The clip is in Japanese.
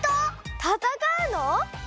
たたかうの！？